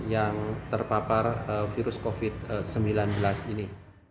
yang terpapar virus covid sembilan belas ini